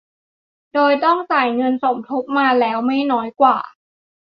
โดยต้องจ่ายเงินสมทบมาแล้วไม่น้อยกว่า